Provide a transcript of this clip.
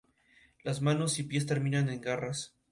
Las manos y pies terminan en garras.